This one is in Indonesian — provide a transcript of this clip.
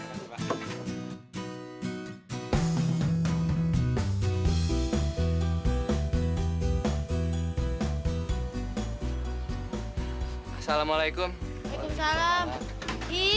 terima kasih abah